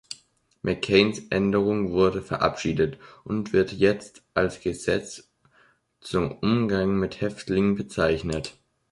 McCains Änderung wurde verabschiedet und wird jetzt als „Gesetz zum Umgang mit Häftlingen“ bezeichnet.